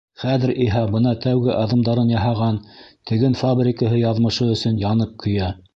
Хәҙер иһә бына тәүге аҙымдарын яһаған теген фабрикаһы яҙмышы өсөн янып-көйә.